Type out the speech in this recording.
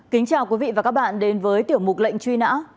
kính chào quý vị và các bạn đến với tiểu mục lệnh truy nã